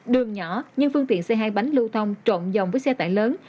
đường nhỏ nhưng phương tiện xe hai bánh lưu thông trộn dòng với xe tải lớn